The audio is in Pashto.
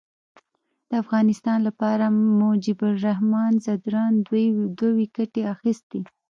د افغانستان لپاره مجيب الرحمان ځدراڼ دوې ویکټي واخیستي.